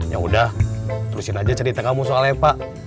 yaudah terusin aja cerita kamu soal epa